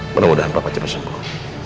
semoga papa cepat sembuh